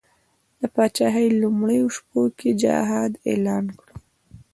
د پاچهي لومړیو شپو کې جهاد اعلان کړ.